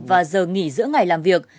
và giờ nghỉ giữa ngày làm việc